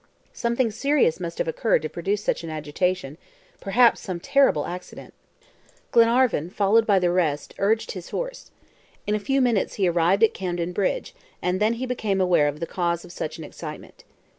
Something serious must have occurred to produce such an agitation. Perhaps some terrible accident. Glenarvan, followed by the rest, urged on his horse. In a few minutes he arrived at Camden Bridge and then he became aware of the cause of such an excitement.